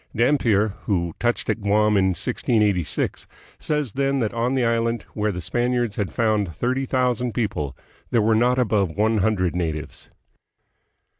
Dampier, who touched at Guam in 1686, says then that on the island, where the Spaniards had found thirty thousand people, there were not above one hundred natives.